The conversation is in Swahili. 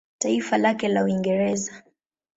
Taifa lake Uingereza.